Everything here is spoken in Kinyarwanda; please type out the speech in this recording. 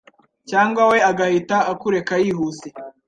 cyangwa we agahita akureka yihuse